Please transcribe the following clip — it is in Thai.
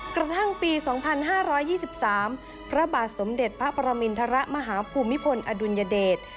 กระทั่งปี๒๕๒๓พระบาทสมเด็จพระปรมินทรมาฮภูมิพลอดุลยเดช